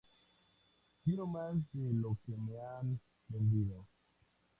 Quiero más de lo que me han vendido.